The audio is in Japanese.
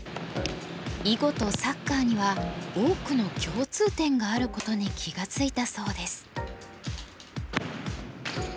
囲碁とサッカーには多くの共通点があることに気が付いたそうです。